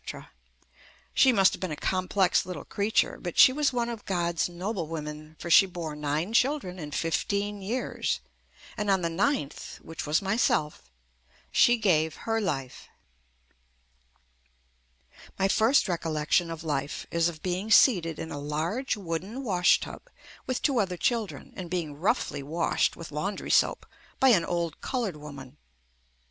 She must have been a complex little creature, but she was one of God's noblewomen for she bore nine children in fifteen years, and on the ninth, which was myself, she gave her life. My first recollection of life is of being seated in a large wooden washtub with two other chil JUST ME dren and being roughly washed with laundry soap by an old colored woman.